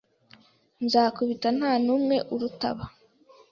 Nzakubita. Nta n'umwe uruta aba. ”